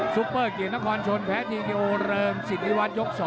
ซุปเปอร์เกียรติภาคความชนแพ้ทีเกโกลเริ่มสินติวัตรยก๒